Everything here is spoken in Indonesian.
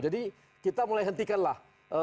jadi kita mulai hentikanlah